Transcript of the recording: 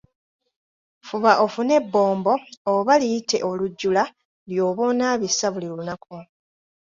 Fuba ofune ebbombo oba liyite olujjula ly'oba onaabisa buli lunaku.